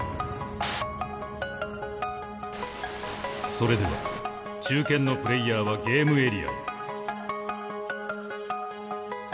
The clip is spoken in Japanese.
それでは中堅のプレーヤーはゲームエリアへ。